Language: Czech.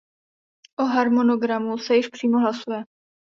O harmonogramu se již přímo hlasuje.